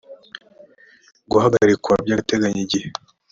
guhagarikwa by agateganyo igihe